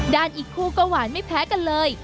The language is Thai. อีกคู่ก็หวานไม่แพ้กันเลย